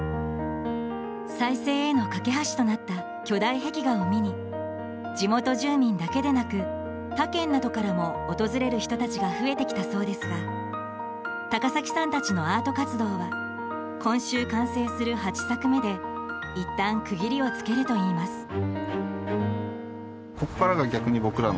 再生への懸け橋となった巨大壁画を見に地元住民だけでなく他県などからも訪れる人たちが増えてきたそうですが高崎さんたちのアート活動は今週完成する８作目でいったん区切りをつけるといいます。